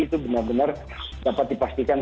itu benar benar dapat dipastikan